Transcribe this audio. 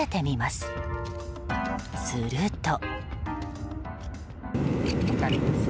すると。